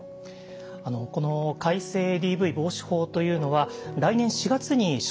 この改正ＤＶ防止法というのは来年４月に施行されます。